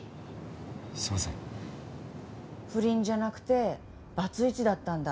不倫じゃなくてバツイチだったんだ？